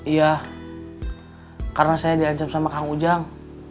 iya karena saya diancam sama kang ujang